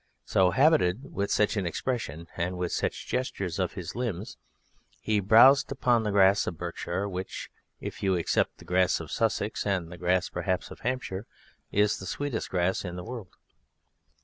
So habited, with such an expression and with such gestures of his limbs, he browsed upon the grass of Berkshire, which, if you except the grass of Sussex and the grass perhaps of Hampshire, is the sweetest grass in the world.